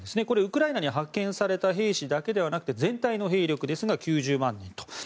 これ、ウクライナに派遣された兵士だけではなくて全体の兵力ですが９０万人と。